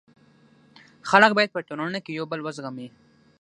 خلک باید په ټولنه کي یو بل و زغمي.